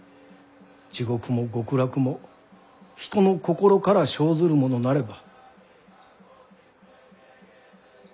地獄も極楽も人の心から生ずるものなれば。